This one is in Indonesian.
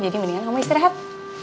jadi mendingan kamu istirahat